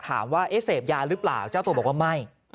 ว่าเสพยาหรือเปล่าเจ้าตัวบอกว่าไม่